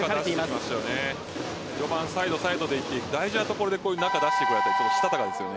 序盤、サイド、サイドで行って大事なところで中を出していくしたたかですね。